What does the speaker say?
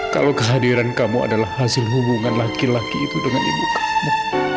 kalau kehadiran kamu adalah hasil hubungan laki laki itu dengan ibu kamu